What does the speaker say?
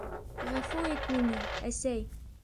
Ғәфү ит мине, әсәй!